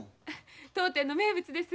当店の名物です。